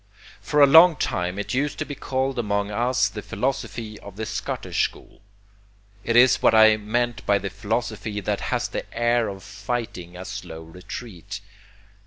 For a long time it used to be called among us the philosophy of the Scottish school. It is what I meant by the philosophy that has the air of fighting a slow retreat.